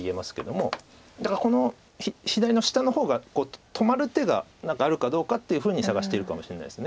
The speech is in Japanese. だからこの左の下の方が止まる手が何かあるかどうかっていうふうに探してるかもしれないです。